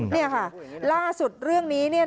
นี่ค่ะล่าสุดเรื่องนี้